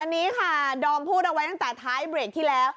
อันนี้ค่ะดอมพูดเอาไว้ตั้งแต่ท้ายเบรกที่แล้ว